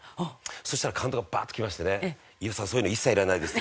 そしたら監督がバーッと来ましてね「飯尾さんそういうの一切いらないです」